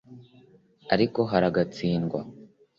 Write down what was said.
Ariko haragatsindwa